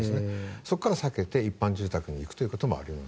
そこを避けて一般住宅に行くこともあり得ます。